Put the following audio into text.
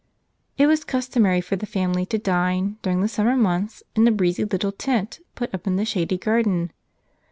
It was customary for the family to dine, during the summer months, in a breezy little tent put up in the shady garden.